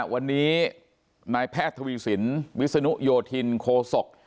วันนี้นะฮะนายแพทย์ทวีสินธุรกิจโคสกฯ